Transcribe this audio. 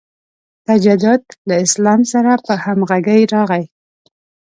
تجدد له اسلام سره په همغږۍ راغی.